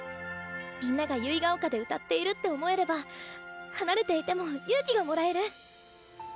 みんなが結ヶ丘で歌っているって思えれば離れていても勇気がもらえる。